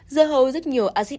dơ hấu rất nhiều acid amine